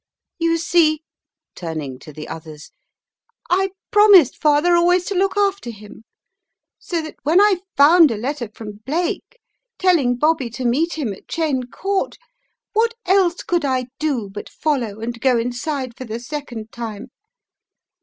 " You see," turning to the others, " I promised father always to look after him so that when I found a letter from Blake, telling Bobby to meet him at Cheyne Court, what else could I do but follow and go inside for the second time?